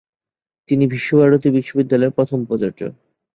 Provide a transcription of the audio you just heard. তিনি বিশ্বভারতী বিশ্ববিদ্যালয়ের প্রথম উপাচার্য।